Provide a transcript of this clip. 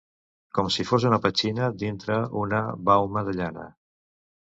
Com si fos una petxina dintre una bauma de llana